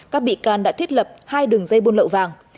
các bị can đã thiết lập hai đường dây buôn lậu vàng